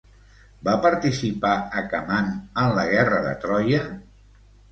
Va participar Acamant en la guerra de Troia?